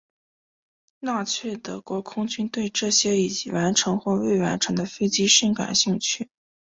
纳粹德国空军对这些已完成或未完成的飞机甚感兴趣。